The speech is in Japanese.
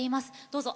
どうぞ！